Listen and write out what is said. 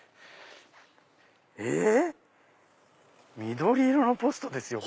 えっ⁉緑色のポストですよ。